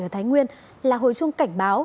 ở thái nguyên là hồi chung cảnh báo